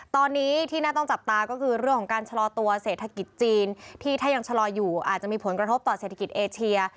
ตอนนี้ที่น่าต้องจับตาก็คือเรื่องของการชะลอตัวเศรษฐกิจจีนที่ถ้ายังชะลออยู่อาจจะมีผลกระทบต่อเศรษฐกิจเอเชีย